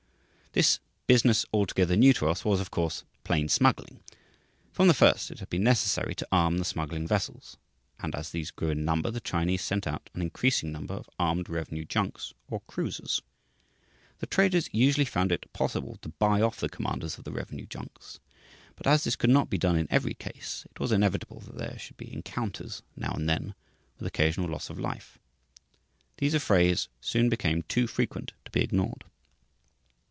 This "business altogether new to us" was, of course, plain smuggling. From the first it had been necessary to arm the smuggling vessels; and as these grew in number the Chinese sent out an increasing number of armed revenue junks or cruisers. The traders usually found it possible to buy off the commanders of the revenue junks, but as this could not be done in every case it was inevitable that there should be encounters now and then, with occasional loss of life. These affrays soon became too frequent to be ignored.